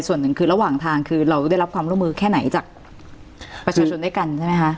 ส่วนหนึ่งคือระหว่างทางคือเราได้รับความร่วมมือแค่ไหนจากประชาชนด้วยกันใช่ไหมคะ